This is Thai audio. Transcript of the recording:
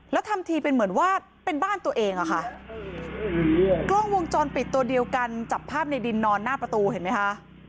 แล้วทำทีเป็นเหมือนว่าเป็นบ้านตัวเองอะค่ะกล้องวงจรปิดตัวเดียวกันจับภาพในดินนอนหน้าประตูเห็นไหมคะ